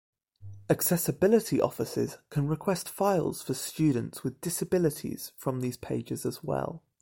Accessibility offices can request files for students with disabilities from these pages as well.